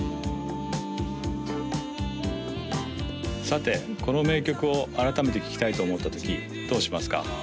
さてこの名曲を改めて聴きたいと思ったときどうしますか？